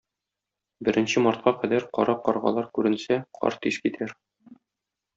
Беренче мартка кадәр кара каргалар күренсә, кар тиз китәр.